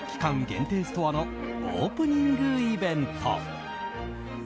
限定ストアのオープニングイベント。